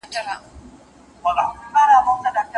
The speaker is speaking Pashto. اکثره ناروغان درملنې ته ولي زیات ارزښت ورکوي؟